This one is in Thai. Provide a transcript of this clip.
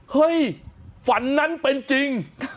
เฮ้ยฝันนั้นเป็นจริง